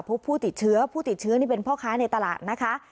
พบผู้ติดเชื้อผู้ติดเชื้อนี่เป็นพ่อค้าในตลาดนะคะ